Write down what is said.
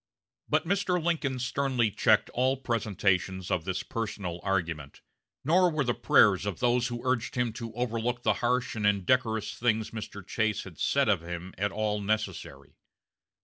But Mr. Lincoln sternly checked all presentations of this personal argument; nor were the prayers of those who urged him to overlook the harsh and indecorous things Mr. Chase had said of him at all necessary.